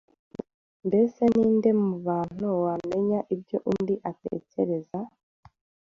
Mbese ni nde mu bantu wamenya ibyo undi atekereza,